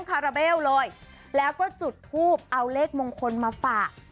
คาราเบลเลยแล้วก็จุดทูบเอาเลขมงคลมาฝาก